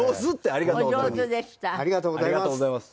ありがとうございます。